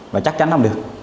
và chắc chắn làm được